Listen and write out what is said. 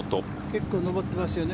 結構上ってますよね